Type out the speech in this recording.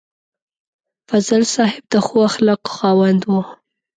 فضل صاحب د ښو اخلاقو خاوند و.